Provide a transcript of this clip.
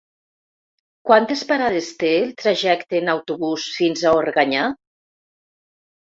Quantes parades té el trajecte en autobús fins a Organyà?